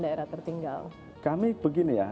daerah tertinggal kami begini ya